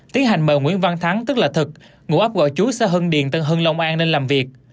tiến hành mời nguyễn văn thắng tức là thật ngụ áp gọi chú xã hưng điện tân hưng long an nên làm việc